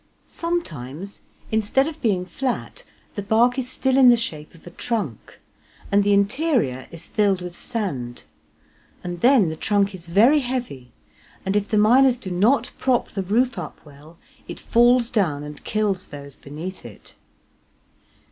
Sometimes, instead of being flat the bark is still in the shape of a trunk, and the interior is filled with sane; and then the trunk is very heavy, and if the miners do not prop the roof up well it falls down and kills those beneath it.